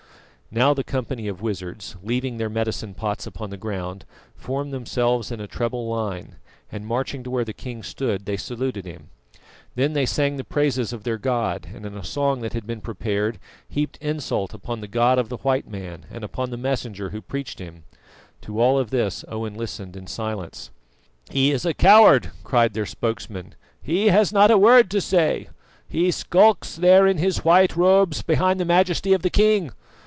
Now the company of wizards, leaving their medicine pots upon the ground, formed themselves in a treble line, and marching to where the king stood, they saluted him. Then they sang the praises of their god, and in a song that had been prepared, heaped insult upon the God of the white man and upon the messenger who preached Him. To all of this Owen listened in silence. "He is a coward!" cried their spokesman; "he has not a word to say. He skulks there in his white robes behind the majesty of the king.